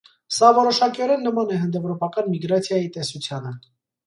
Սա որոշակիորեն նման է հնդեվրոպական միգրացիայի տեսությանը։